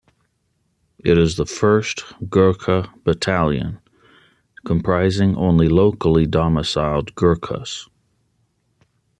It is the first Gorkha battalion comprising only locally domiciled Gurkhas.